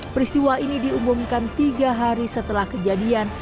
peristiwa ini diumumkan tiga hari setelah kejadian